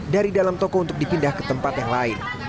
dari dalam toko untuk dipindah ke tempat yang lain